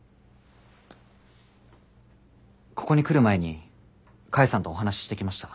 ここに来る前に菓恵さんとお話ししてきました。